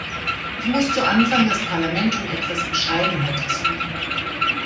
Ich muss zu Anfang das Parlament um etwas Bescheidenheit ersuchen.